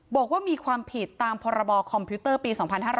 บอกว่ามีความผิดตามพรบคอมพิวเตอร์ปี๒๕๕๙